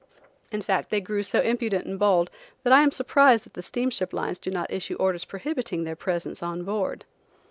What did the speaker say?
In fact they grew so impudent and bold, that I am surprised that the steamship lines do not issue orders prohibiting their presence on board.